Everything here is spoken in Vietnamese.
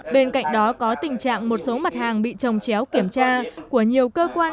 bên cạnh đó có tình trạng một số mặt hàng bị trồng chéo kiểm tra của nhiều cơ quan